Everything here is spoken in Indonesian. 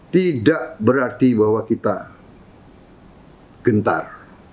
tidak berarti bahwa kita gentar